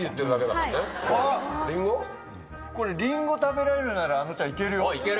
これリンゴ食べられるならあのちゃんいけるよ。